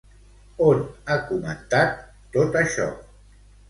On ha comentat tot això?